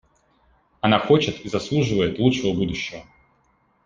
Она хочет и заслуживает лучшего будущего.